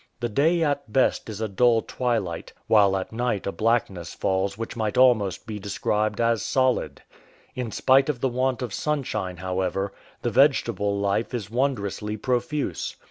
The day at best is a dull twilight, while at night a blackness falls which might almost be described as solid. In spite of the want of sunshine, however, the vegetable life is wondrously profuse.